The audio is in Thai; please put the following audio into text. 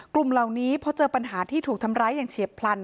กลุ่มเหล่านี้เพราะเจอปัญหาที่ถูกทำร้ายอย่างเฉียบพลัน